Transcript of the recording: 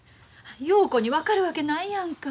陽子に分かるわけないやんか。